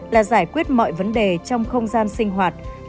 là giải quyết mọi vấn đề trong không gian sinh hoạt